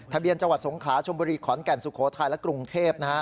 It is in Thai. ทะเบียนจังหวัดสงขลาชมบุรีขอนแก่นสุโขทัยและกรุงเทพนะฮะ